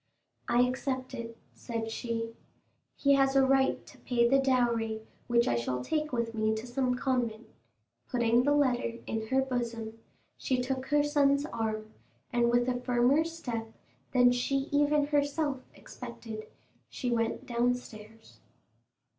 "I accept it," said she; "he has a right to pay the dowry, which I shall take with me to some convent!" Putting the letter in her bosom, she took her son's arm, and with a firmer step than she even herself expected she went downstairs.